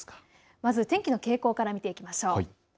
まず天気の傾向から見ていきましょう。